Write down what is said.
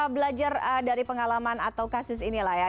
belajar dari pengalaman atau kasus ini lah ya